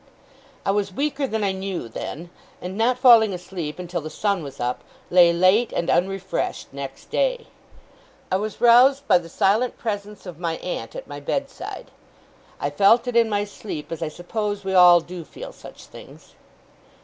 I was weaker than I knew then; and, not falling asleep until the sun was up, lay late, and unrefreshed, next day. I was roused by the silent presence of my aunt at my bedside. I felt it in my sleep, as I suppose we all do feel such things.